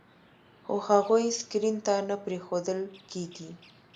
خو هغوی سکرین ته نه پرېښودل کېږي.